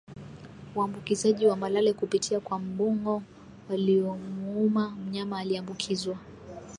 Uambukizaji wa malale kupitia kwa mbung'o waliomuuma mnyama aliyeambukizwa